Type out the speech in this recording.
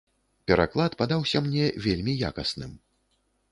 Пераклад падаўся мне вельмі якасным.